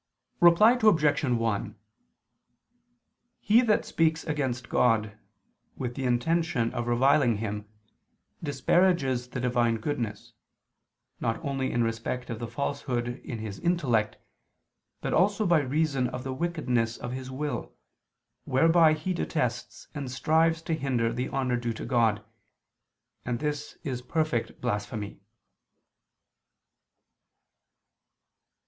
Reply Obj. 1: He that speaks against God, with the intention of reviling Him, disparages the Divine goodness, not only in respect of the falsehood in his intellect, but also by reason of the wickedness of his will, whereby he detests and strives to hinder the honor due to God, and this is perfect blasphemy.